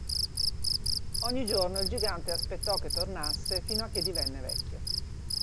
Ogni giorno il Gigante aspettò che tornasse fino a che divenne vecchio.